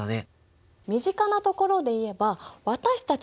身近なところで言えば私たち